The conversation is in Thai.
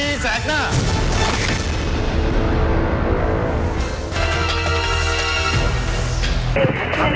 ขอบคุณในความบริษัทของเจ๊นะครับ